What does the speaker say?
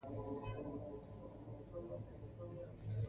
د کرنې لپاره عصري ماشینونه وکاروئ.